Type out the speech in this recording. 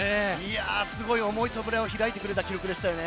すごい重い扉を開いてくれた記録でしたね。